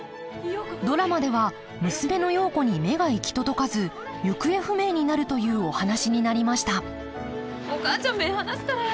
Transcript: ドラマでは娘の陽子に目が行き届かず行方不明になるというお話になりましたお母ちゃん目ぇ離すからや。